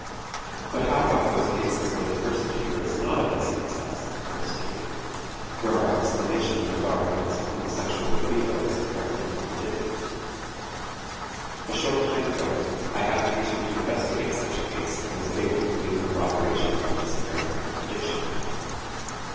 But how about those cases where the persecutor is not of the same sex as the persecuted, where our explanation of a guard against homosexual libido is apparently contradicted? A short time ago I had occasion to investigate such a case and was able to glean corroboration from this apparent contradiction.